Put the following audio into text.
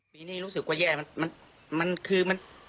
ปีนี้รู้สึกว่าแย่มันคือมัน